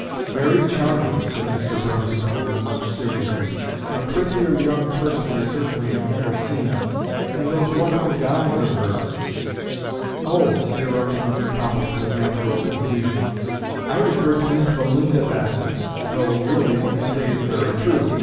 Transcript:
"Very charming," said Mr. Burmistone with much seriousness. "A prettier young person I certainly have never seen; and those wonderful gowns of hers" "Oh!" interrupted Mr. Poppleton, with natural confusion, "I referred to Miss Belinda Bassett; though, really, what you say is very true.